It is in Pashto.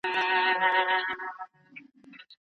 ده د کار د ځنډ مخه نيوله.